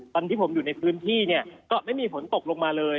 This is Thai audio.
ตอนที่ผมอยู่ในพื้นที่เนี่ยก็ไม่มีฝนตกลงมาเลย